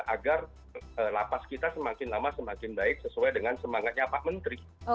agar lapas kita semakin lama semakin baik sesuai dengan semangatnya pak menteri